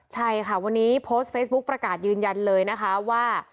ใช่ค่ะวันนี้โพสต์เฟซบุ๊คประกาศยืนยันเลยนะคะว่า